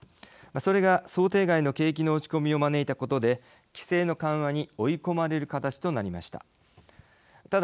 それが想定外の景気の落ち込みを招いたことで規制の緩和に追い込まれる形となりました。